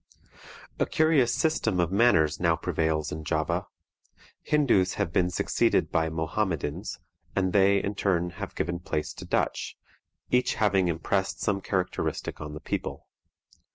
A curious system of manners now prevails in Java. Hindoos have been succeeded by Mohammedans, and they, in turn, have given place to Dutch, each having impressed some characteristic on the people.